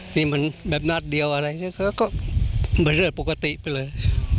นี่มันแบบนัดเดียวอะไรเขาก็เป็นเรื่องปกติไปเลย